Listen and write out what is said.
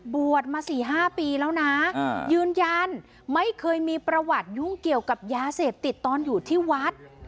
บวชมา๔๕ปีแล้วนะยืนยันไม่เคยมีประวัติยุ่งเกี่ยวกับยาเสพติดตอนอยู่ที่วัด